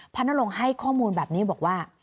นรงค์ให้ข้อมูลแบบนี้บอกว่า